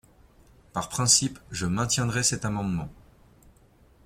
Par principe, je maintiendrai cet amendement.